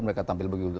mereka tampil begitu